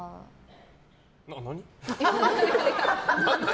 何？